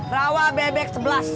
rawah bebek sebelas